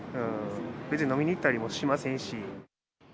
別に飲みに行ったりもしませんし。